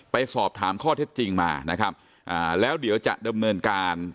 ไปสอบถามข้อเท็จจริงมานะครับอ่าแล้วเดี๋ยวจะดำเนินการ